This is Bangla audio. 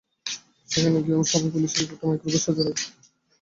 সেখান দিয়ে যাওয়ার সময় পুলিশের একটি মাইক্রোবাস সজোরে ধাক্কা খায় ট্রাকের পেছনে।